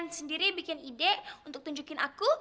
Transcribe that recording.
saya sendiri bikin ide untuk tunjukin aku